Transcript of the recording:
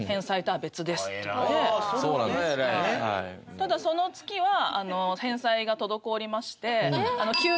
ただその月は返済が滞りまして。